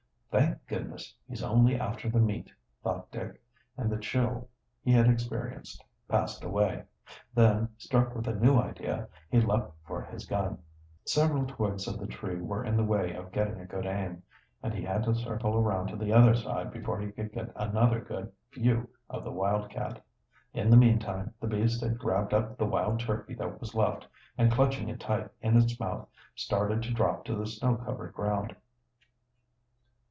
"Thank goodness, he's only after the meat," thought Dick, and the chill he had experienced passed away. Then, struck with a new idea, he leaped for his gun. Several twigs of the tree were in the way of getting a good aim, and he had to circle around to the other side before he could get another good view of the wildcat. In the meantime the beast had grabbed up the wild turkey that was left, and clutching it tight in its mouth, started to drop to the snow covered ground.